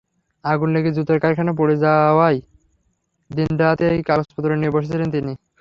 আগুন লেগে জুতার কারখানা পুড়ে যাওয়ার দিন রাতেই কাগজপত্র নিয়ে বসেছিলেন তিনি।